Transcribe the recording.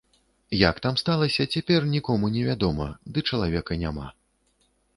Як там сталася, цяпер нікому не вядома, ды чалавека няма.